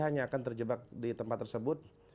hanya akan terjebak di tempat tersebut